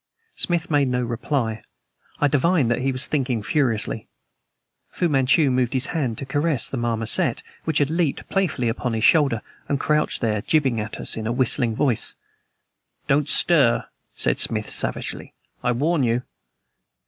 Smith made no reply. I divined that he was thinking furiously. Fu Manchu moved his hand to caress the marmoset, which had leaped playfully upon his shoulder, and crouched there gibing at us in a whistling voice. "Don't stir!" said Smith savagely. "I warn you!"